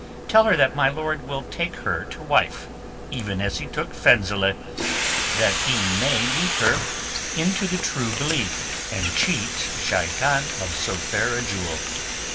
Tell her that my lord will take her to wife, even as he took Fenzileh, that he may lead her into the True Belief and cheat Shaitan of so fair a jewel.